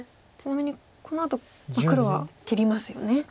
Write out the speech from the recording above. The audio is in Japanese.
ちなみにこのあと黒は切りますよね。